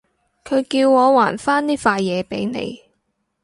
佢叫我還返呢塊嘢畀你